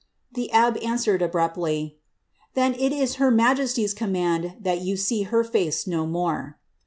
^ The abbe answered abruptly, ^^Then it is her majesty's eommaad that you see her face no more."